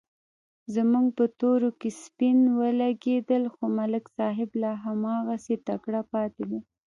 زموږ په تورو کې سپین ولږېدل، خو ملک صاحب لا هماغسې تکړه پاتې دی.